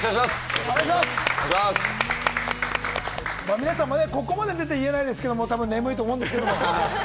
皆さんもここまで出ては言えないですけれども、たぶん眠いと思うんですけれども。